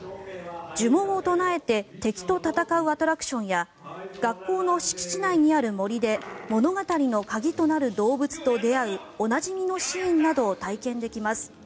呪文を唱えて敵と戦うアトラクションや学校の敷地内にある森で物語の鍵となる動物たちと出会うおなじみのシーンなどを体験できます。